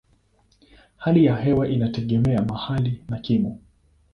Hali ya hewa inategemea mahali na kimo.